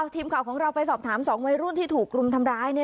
ทีมข่าวของเราไปสอบถาม๒วัยรุ่นที่ถูกรุมทำร้าย